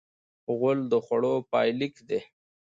غول د خوړو پای لیک دی.